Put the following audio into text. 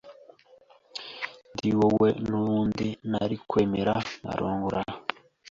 ndi wowe n’ ubundi nari kwemera nkarongora